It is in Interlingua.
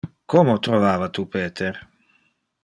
Como trovava tu Peter?